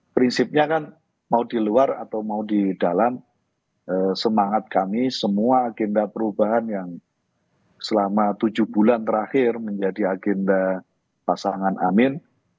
prinsipnya kan mau di luar atau mau di dalam semangat kami semua agenda perubahan yang selama tujuh bulan terakhir menjadi agenda pasangan amin